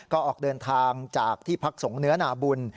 ก็ออกเดินทางจากที่พักสงฆ์เนื้อนาบุญ